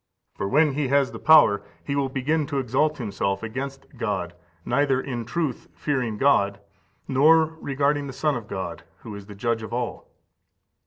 For when he has the power, he will begin to exalt himself against God, neither in truth fearing God, nor regarding the Son of God, who is the Judge of all.